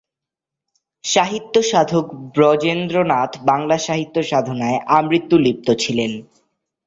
সাহিত্য সাধক ব্রজেন্দ্রনাথ বাংলা সাহিত্য সাধনায় আমৃত্যু লিপ্ত ছিলেন।